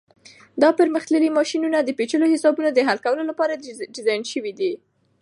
دا پرمختللي ماشینونه د پیچلو حسابونو د حل کولو لپاره ډیزاین شوي دي.